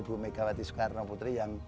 ibu megawati soekarno putri